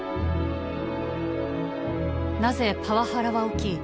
なぜパワハラは起き